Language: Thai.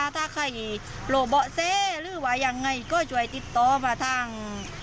ถ้าใครโปะเซรึว่ายังไงก็ช่วยติดตัวมาทาง